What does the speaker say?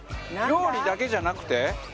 料理だけじゃなくて？